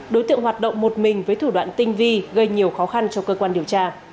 đối tượng hoạt động một mình với thủ đoạn tinh vi gây nhiều khó khăn cho cơ quan điều tra